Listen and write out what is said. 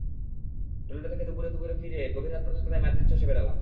Toledo থেকে দুপুর-দুপুর ফিরে গভীর রাত পর্যন্ত তাই মাদ্রিদ চষে বেড়ালাম।